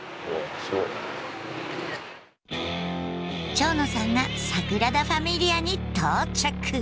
蝶野さんがサグラダ・ファミリアに到着。